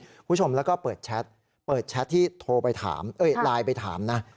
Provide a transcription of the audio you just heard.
คุณผู้ชมแล้วก็เปิดแชทที่โทรไปถามเออไลน์ไปถามนะ